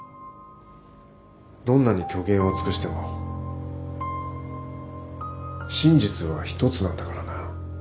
どんなに虚言を尽くしても真実は１つなんだからな。